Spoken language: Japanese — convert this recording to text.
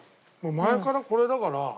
前からこれだから。